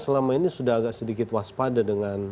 selama ini sudah agak sedikit waspada dengan